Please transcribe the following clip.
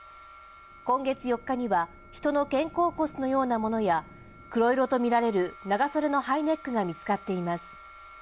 今月４日には人の肩甲骨のようなものや、黒色とみられる長袖のハイネックが見つかっています。